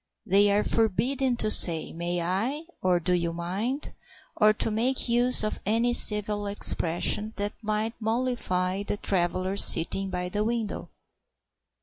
They are forbidden to say "May I?" or "Do you mind?" or to make use of any civil expression that might mollify the traveller sitting by the window.